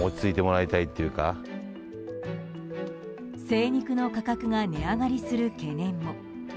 精肉の価格が値上がりする懸念も。